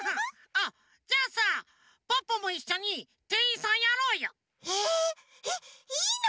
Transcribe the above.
あっじゃあさポッポもいっしょにてんいんさんやろうよ。え！？えっいいの？